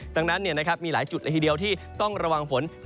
ดังนั้นเนี่ยนะครับมีหลายจุดละทีเดียวที่ต้องระวังฝน